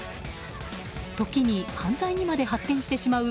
時に犯罪にまで発展してしまう